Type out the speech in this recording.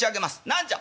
「何じゃ」。